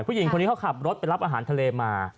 ผู้หญิงคนนี้เขาขับรถไปรับอาหารทะเลมา